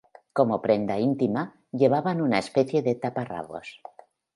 Como prenda íntima, llevaban una especie de taparrabos.